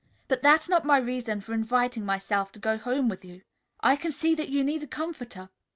But that's not my reason for inviting myself to go home with you. I can see that you need a comforter.